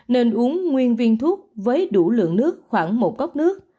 nên uống nguyên viên thuốc với đủ lượng nước khoảng một cốc nước